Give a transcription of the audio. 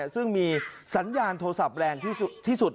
ซึ่งมีสัญญาณโทรศัพท์แรงที่สุด